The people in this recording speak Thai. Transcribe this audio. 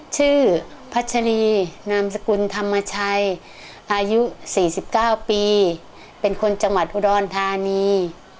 ชื่อพัชรีนามสกุลธรรมชัยอายุ๔๙ปีเป็นคนจังหวัดอุดรธานี